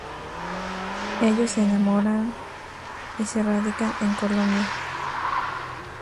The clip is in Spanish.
Ellos se enamoran y se radican en Colombia.